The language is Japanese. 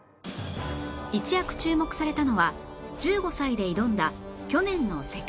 一躍注目されたのは１５歳で挑んだ去年の世界水泳